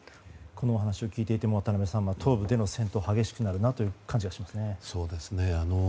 このお話を聞いていても渡辺さん、東部での戦闘が激しくなるなと思いましたね。